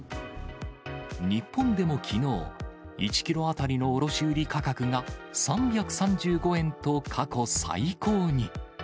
日本でもきのう、１キロ当たりの卸売価格が３３５円と過去最高に。